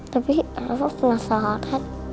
tapi saya penasaran